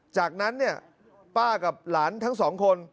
จากนั้นเนี่ยป้ากับหลานทั้งสองคน